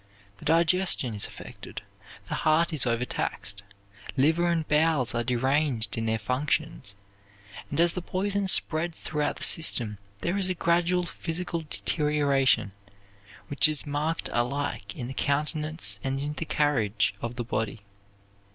The digestion is affected, the heart is overtaxed, liver and bowels are deranged in their functions, and as the poison spreads throughout the system there is a gradual physical deterioration which is marked alike in the countenance and in the carriage of the body.